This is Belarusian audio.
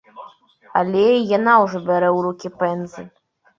Але і яна ўжо бярэ ў рукі пэндзаль.